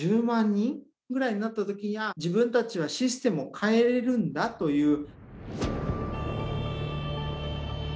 人ぐらいになった時にああ自分たちはシステムを変えれるんだという。